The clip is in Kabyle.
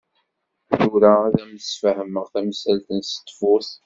Tura ad am-d-ssfehmeɣ tamsalt s ttbut.